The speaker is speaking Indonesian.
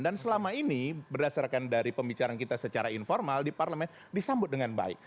dan selama ini berdasarkan dari pembicaraan kita secara informal di parlemen disambut dengan baik